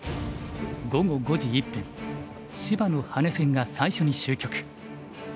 午後５時１分芝野・羽根戦が最初に終局。